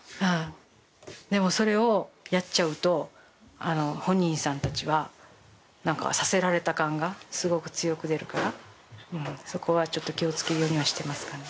でもそれをやっちゃうと本人さんたちはさせられた感がすごく強く出るからそこはちょっと気をつけるようにはしてますかね。